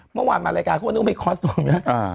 เมื่อวานมารายการเขาก็นึกว่าไม่คอสต์ตรงเนี่ย